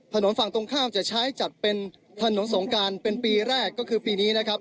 ถนนฝั่งตรงข้ามจะใช้จัดเป็นถนนสงการเป็นปีแรกก็คือปีนี้นะครับ